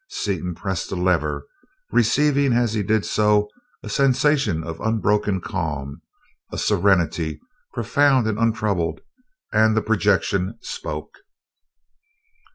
Seaton pressed the lever, receiving as he did so a sensation of an unbroken calm, a serenity profound and untroubled, and the projection spoke.